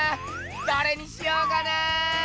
どれにしようかな！